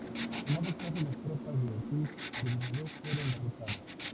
En ambos casos las tropas de Ortiz Argumedo fueron derrotadas.